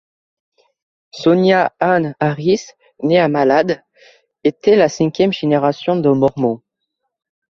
Sonia Ann Harris, née à Malad, était la cinquième génération de Mormon.